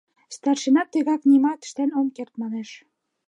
Старшина тегак нимат ыштен ом керт, манеш.